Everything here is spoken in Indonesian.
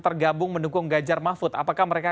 tergabung mendukung ganjar mahfud apakah mereka